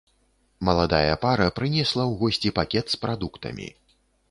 Маладая пара прынесла ў госці пакет з прадуктамі.